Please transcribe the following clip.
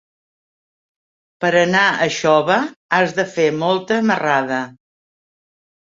Per anar a Xóvar has de fer molta marrada.